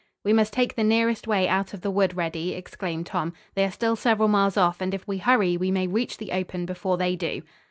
"We must take the nearest way out of the wood, Reddy," exclaimed Tom. "They are still several miles off, and, if we hurry, we may reach the open before they do."